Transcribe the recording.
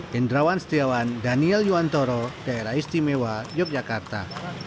hendrawan setiawan daniel yuantoro daerah istimewa yogyakarta